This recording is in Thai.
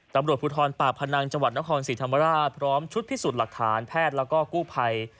ตำรวจภูทรปากพนังจังหวัดนครศรีธรรมราชพร้อมชุดพิสูจน์หลักฐานแพทย์แล้วก็กู้ภัย